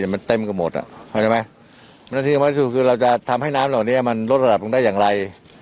มันเต็มกับหมดอ่ะเห็นไหมมันจะทำให้น้ำเหล่านี้มันลดสรรพลงได้อย่างไร